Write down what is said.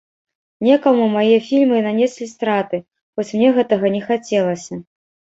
Некаму мае фільмы нанеслі страты, хоць мне гэтага не хацелася.